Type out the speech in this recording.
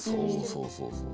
そうそうそうそう。